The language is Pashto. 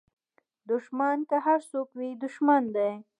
دوښمن که هر څوک وي دوښمن دی